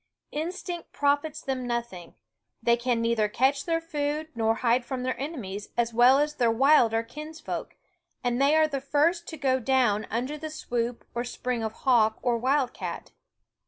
Instinct profits them nothing ; they can neither catch their food nor hide from their enemies as well as their wilder kinsfolk, and they are the first to go down under the swoop or spring of hawk or wild cat.